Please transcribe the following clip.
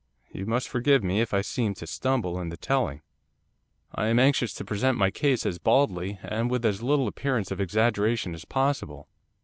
You must forgive me if I seem to stumble in the telling. I am anxious to present my case as baldly, and with as little appearance of exaggeration as possible.